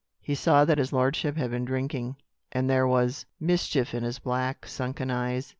He saw that his lordship had been drinking, and there was mischief in his black, sunken eyes.